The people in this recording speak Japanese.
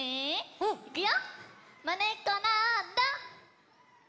うん！いくよ。